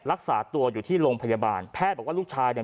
รักษาตัวอยู่ที่โรงพยาบาลแพทย์บอกว่าลูกชายเนี่ย